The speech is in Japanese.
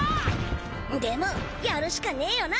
でもやるしかねえよな！